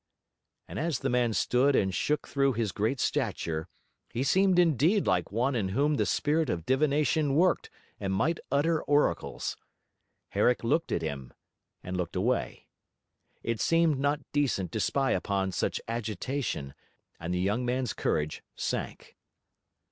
And as the man stood and shook through his great stature, he seemed indeed like one in whom the spirit of divination worked and might utter oracles. Herrick looked at him, and looked away; It seemed not decent to spy upon such agitation; and the young man's courage sank.